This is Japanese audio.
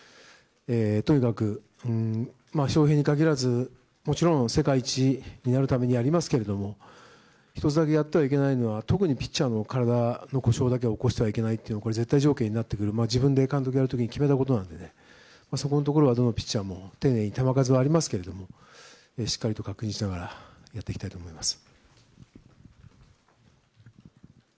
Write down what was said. とにかく翔平に限らず、もちろん世界一になるためにやりますけど１つだけやってはいけないのは特にピッチャーの体の故障を起こしてはいけないというのが絶対条件でこれは自分で監督をやる時に決めたことなのでどのピッチャーも丁寧に球数はありますけれどもしっかりと確認しながらやっていきたいと思います。